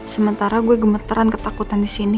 sementara gue gemeteran ketakutan disini